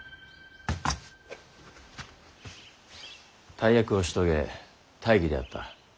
大役を仕遂げ大儀であった。